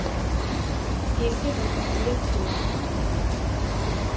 Isi dakabie kura